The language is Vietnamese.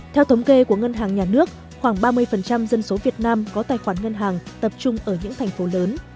theo thống kê của ngân hàng nhà nước khoảng ba mươi dân số việt nam có tài khoản ngân hàng tập trung ở những thành phố lớn